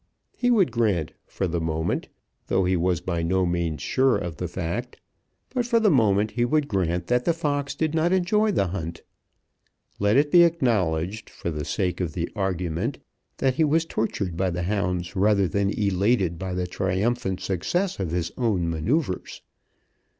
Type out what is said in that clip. He would grant, for the moment, though he was by no means sure of the fact, but for the moment he would grant that the fox did not enjoy the hunt. Let it be acknowledged for the sake of the argument that he was tortured by the hounds rather than elated by the triumphant success of his own manoeuvres.